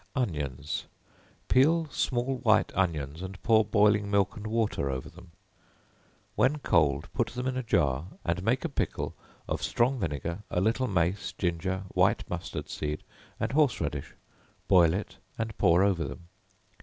Onions. Peel small white onions and pour boiling milk and water over them; when cold, put them in a jar, and make a pickle of strong vinegar, a little mace, ginger, white mustard seed, and horse radish; boil it and pour over them.